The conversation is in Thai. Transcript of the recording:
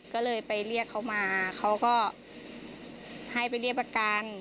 ก็เลยไปเรียกเขามาเขาก็ให้ไปเรียกประกัน